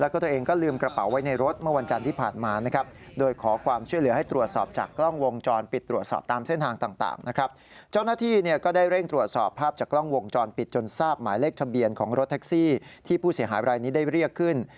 ของรถแท็กซี่ที่ผู้เสียหายรายนี้ได้เรียกขึ้น